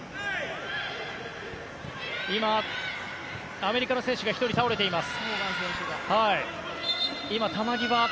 アメリカの選手が１人倒れています。